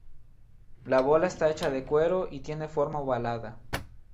La bola está hecha de cuero y tiene forma ovalada.